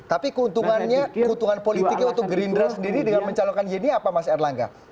tapi keuntungannya keuntungan politiknya untuk gerindra sendiri dengan mencalonkan yeni apa mas erlangga